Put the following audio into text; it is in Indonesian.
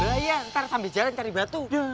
iya ntar sambil jalan cari batu